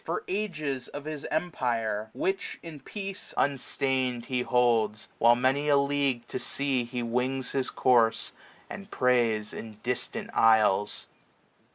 For ages, of his empire ; which, in peace, 760 30 SPRING. Unstain*d he holds, while many a league to sea He wings his course, and preys in distant isles.